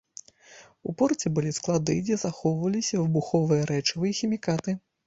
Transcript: У порце былі склады, дзе захоўваліся выбуховыя рэчывы і хімікаты.